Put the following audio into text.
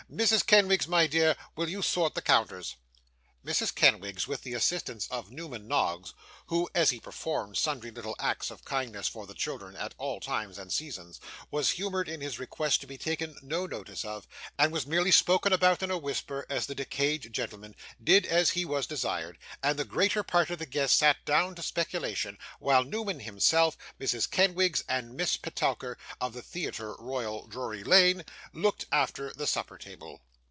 Mrs. Kenwigs, my dear, will you sort the counters?' Mrs. Kenwigs, with the assistance of Newman Noggs, (who, as he performed sundry little acts of kindness for the children, at all times and seasons, was humoured in his request to be taken no notice of, and was merely spoken about, in a whisper, as the decayed gentleman), did as he was desired; and the greater part of the guests sat down to speculation, while Newman himself, Mrs. Kenwigs, and Miss Petowker of the Theatre Royal Drury Lane, looked after the supper table.